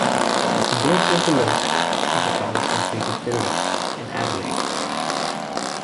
This is a list of the tallest completed buildings in Adelaide.